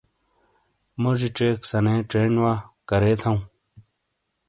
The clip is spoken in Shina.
موزی ژیک سَنے چھین وا ۔کرے تھؤوں؟